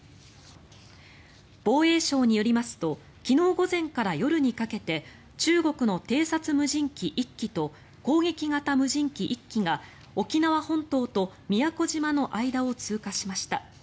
防衛省によりますと昨日午前から夜にかけて中国の偵察無人機１機と攻撃型無人機１機が沖縄本島と宮古島の間を通過しました。